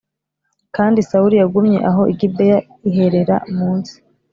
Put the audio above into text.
Kandi sawuli yagumye aho i gibeya iherera munsi